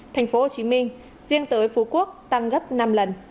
tp hcm riêng tới phú quốc tăng gấp năm lần